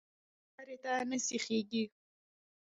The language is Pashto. د سمې لارې ته نه سیخېږي.